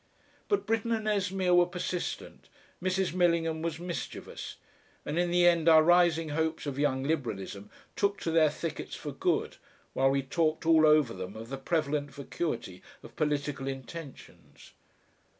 But Britten and Esmeer were persistent, Mrs. Millingham was mischievous, and in the end our rising hopes of Young Liberalism took to their thickets for good, while we talked all over them of the prevalent vacuity of political intentions.